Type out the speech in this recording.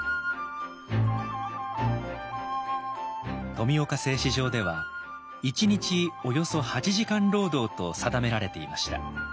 富岡製糸場では１日およそ８時間労働と定められていました。